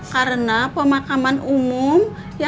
karena pemakaman umum